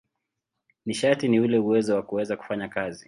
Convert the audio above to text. Nishati ni ule uwezo wa kuweza kufanya kazi.